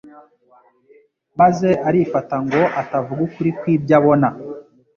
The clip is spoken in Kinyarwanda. maze arifata ngo atavuga ukuri kw'ibyo abona,